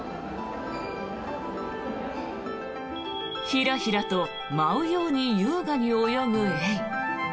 ひらひらと舞うように優雅に泳ぐエイ。